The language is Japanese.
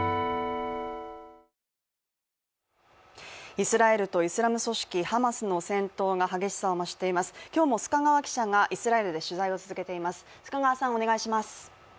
イスラエルとイスラム組織ハマスの戦闘が激しさを増しています、今日も須賀川記者が、イスラエルで取材を続けています。